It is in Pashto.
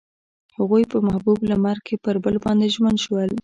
هغوی په محبوب لمر کې پر بل باندې ژمن شول.